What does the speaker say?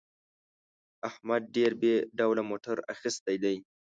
احمد ډېر بې ډوله موټر اخیستی دی.